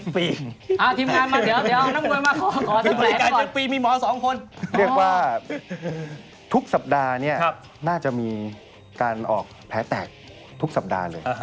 พวกมันออกแผลแตกทุกสัปดาห์